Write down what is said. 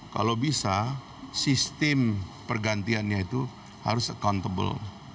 kalau bisa sistem pergantiannya itu harus accountable